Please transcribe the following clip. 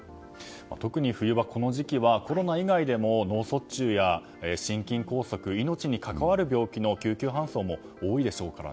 特に冬場この時期はコロナ以外でも脳卒中や心筋梗塞命に関わる病気の救急搬送も多いでしょうからね。